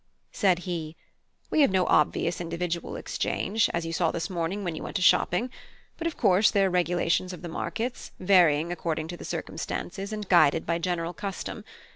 Said he: "We have no obvious individual exchange, as you saw this morning when you went a shopping; but of course there are regulations of the markets, varying according to the circumstances and guided by general custom.